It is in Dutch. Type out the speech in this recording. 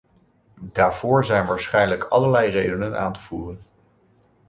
Daarvoor zijn waarschijnlijk allerlei redenen aan te voeren.